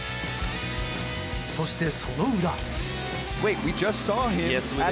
そして、その裏。